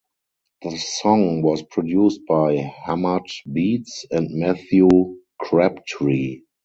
The song was produced by Hammad Beats and Matthew Crabtree.